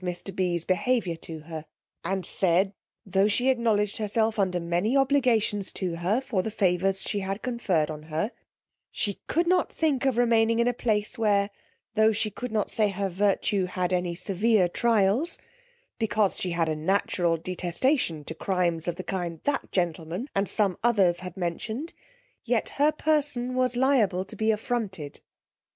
B n's behaviour to her, and said, tho' she acknowledged herself under many obligations to her for the favours she had conferred on her, she could not think of remaining in a place where, tho' she could not say her virtue had any severe trials, because she had a natural detestation to crimes of the kind that gentleman and some others had mentioned, yet her person was liable to be affronted.